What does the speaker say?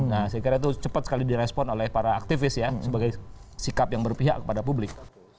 nah saya kira itu cepat sekali direspon oleh para aktivis ya sebagai sikap yang berpihak kepada publik